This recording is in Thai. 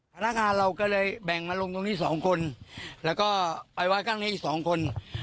พนักงานเราก็เลยแบ่งมาลงตรงนี้สองคนแล้วก็ไปไว้ข้างนี้อีกสองคน